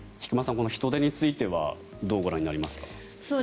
この人出についてはどうご覧になりますか？